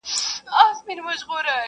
او که نه وي نو حتما به کیمیاګر یې؛